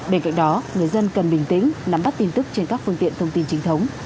bên cạnh đó người dân cần bình tĩnh nắm bắt tin tức trên các phương tiện thông tin chính thống